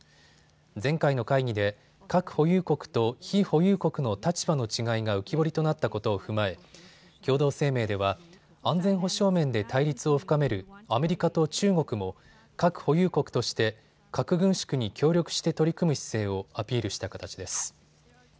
前回の会議で核保有国と非保有国の立場の違いが浮き彫りとなったことを踏まえ共同声明では安全保障面で対立を深めるアメリカと中国も核保有国として核軍縮に協力して取り組む姿勢をアピールした形です。